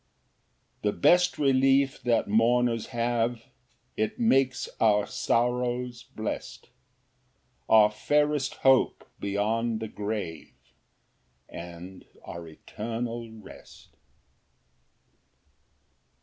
4 The best relief that mourners have, It makes our sorrows blest; Our fairest hope beyond the grave, And our eternal rest.